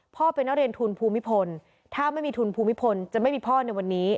เป็นนักเรียนทุนภูมิพลถ้าไม่มีทุนภูมิพลจะไม่มีพ่อในวันนี้